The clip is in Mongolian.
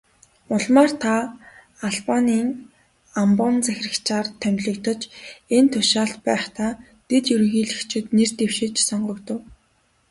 Улмаар та Албанийн амбан захирагчаар томилогдож, энэ тушаалд байхдаа дэд ерөнхийлөгчид нэр дэвшиж, сонгогдов.